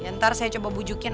ntar saya coba bujukin